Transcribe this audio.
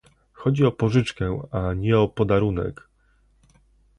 Chodzi o pożyczkę, a nie o podarunek